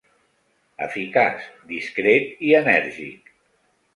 Eficaç, discret i enèrgic.